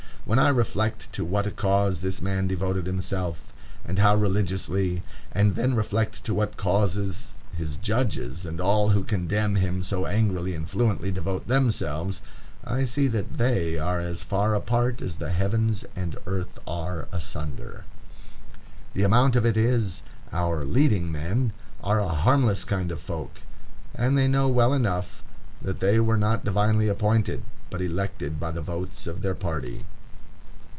When I reflect to what a cause this man devoted himself, and how religiously, and then reflect to what cause his judges and all who condemn him so angrily and fluently devote themselves, I see that they are as far apart as the heavens and earth are asunder. The amount of it is, our "leading men" are a harmless kind of folk, and they know well enough that they were not divinely appointed, but elected by the votes of their party.